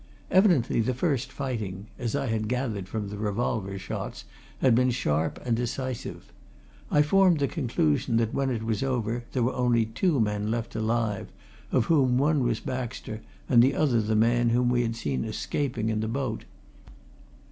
Evidently the first fighting as I had gathered from the revolver shots had been sharp and decisive; I formed the conclusion that when it was over there were only two men left alive, of whom one was Baxter and the other the man whom we had seen escaping in the boat.